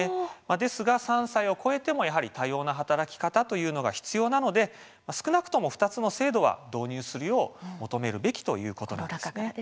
ですが３歳を超えても多様な働き方は必要なので少なくとも２つの制度は導入するよう求めるべきということなんです。